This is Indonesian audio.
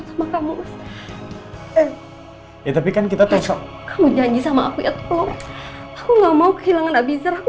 sama kamu eh ya tapi kan kita tuh kamu janji sama aku ya tolong aku nggak mau kehilangan abizar aku